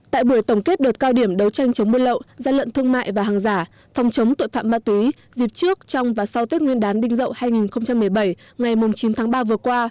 tại buổi tổng kết đợt cao điểm đấu tranh chống buôn lậu gian lận thương mại và hàng giả phòng chống tội phạm ma túy dịp trước trong và sau tết nguyên đán đinh dậu hai nghìn một mươi bảy ngày chín tháng ba vừa qua